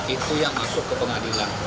itu yang masuk ke pengadilan